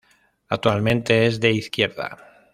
Actualmente es de izquierda.